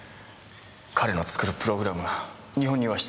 彼の作るプログラムが日本には必要なんです。